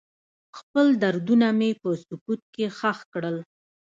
خپل دردونه مې په سکوت کې ښخ کړل.